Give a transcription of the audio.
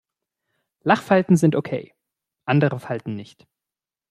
Lachfalten sind okay, andere Falten nicht.